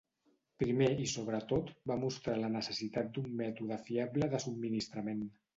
Primer i sobretot, va mostrar la necessitat d'un mètode fiable de subministrament.